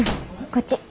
こっち。